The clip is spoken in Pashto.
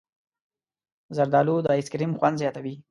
زردالو د ایسکریم خوند زیاتوي.